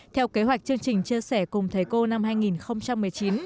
theo kế hoạch chương trình chia sẻ cùng thầy cô năm hai nghìn một mươi chín